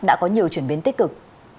đã có nhiều chuyển biến tích cực